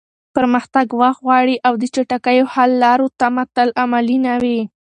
پرمختګ وخت غواړي او د چټکو حل لارو تمه تل عملي نه وي.